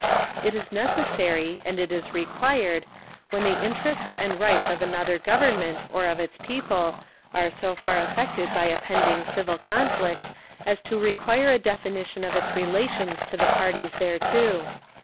It is necessary, and it is required, when the interests and rights of another government or of its people are so far affected by a pending civil conflict as to require a definition of its relations to the parties thereto.